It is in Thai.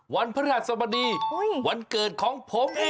วันพระนหัสสัปดีวันเกิดของผมเอง